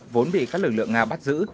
vốn bị các lực lượng nga bắt giữ